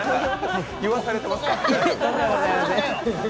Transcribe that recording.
言わされてますか？